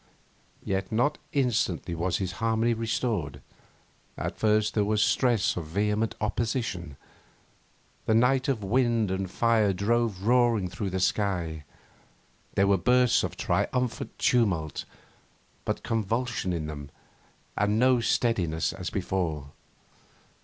Yet not instantly was this harmony restored; at first there was the stress of vehement opposition. The night of wind and fire drove roaring through the sky. There were bursts of triumphant tumult, but convulsion in them and no true steadiness as before.